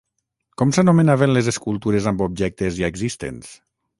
Com s'anomenaven les escultures amb objectes ja existents?